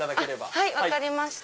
はい分かりました。